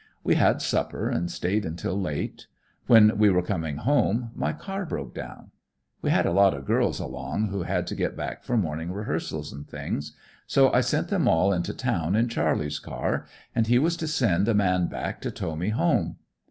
We had supper and stayed until late. When we were coming home, my car broke down. We had a lot of girls along who had to get back for morning rehearsals and things; so I sent them all into town in Charley's car, and he was to send a man back to tow me home.